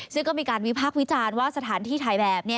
ซึ่งก็มีการวิพากษ์วิจารณ์ว่าสถานที่ถ่ายแบบ